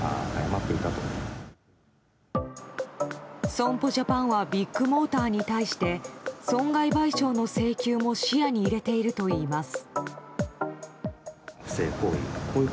損保ジャパンはビッグモーターに対して損害賠償の請求も視野に入れているといいます。